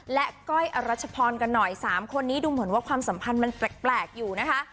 และก้อยอรัชพรกันหน่อย๓คนนี้ดูเหมือนว่าความสัมพันธ์มันแปลกอยู่นะคะ